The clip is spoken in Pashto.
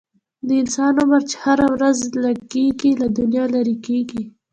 د انسان عمر چې هره ورځ لږیږي، له دنیا نه لیري کیږي